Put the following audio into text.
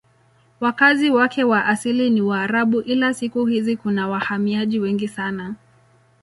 Wakazi wake wa asili ni Waarabu ila siku hizi kuna wahamiaji wengi sana.